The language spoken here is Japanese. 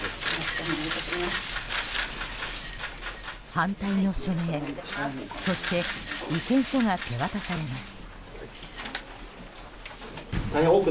反対の署名、そして意見書が手渡されます。